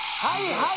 はい！